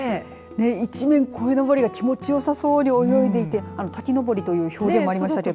一面こいのぼりが気持ちよさそうに泳いでいて滝登りという表現もありましたけど。